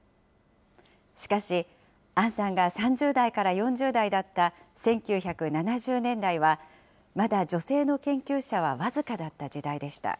しかし、アンさんが３０代から４０代だった１９７０年代は、まだ女性の研究者は僅かだった時代でした。